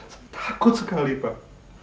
saya takut sekali pak